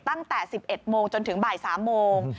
ตั้งแต่๑๑โมงจนถึงบ่าย๓โมง